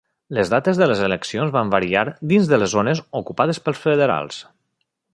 Les dates de les eleccions van variar dins de les zones ocupades pels federals.